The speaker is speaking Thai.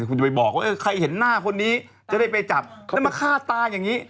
คุณจะไปบอกว่าเออใครเห็นหน้าคนนี้จะได้ไปจับแล้วมาฆ่าตาอย่างนี้